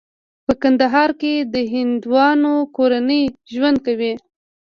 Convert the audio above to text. په کندهار کې د هندوانو کورنۍ ژوند کوي.